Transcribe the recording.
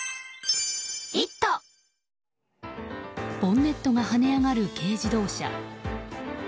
ボンネットがはね上がる軽自動車。